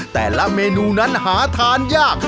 แต่ละเมนูนั้นหาทานยาก